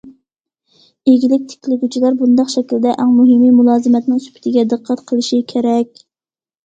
ئىگىلىك تىكلىگۈچىلەر بۇنداق شەكىلدە ئەڭ مۇھىمى مۇلازىمەتنىڭ سۈپىتىگە دىققەت قىلىشى كېرەك.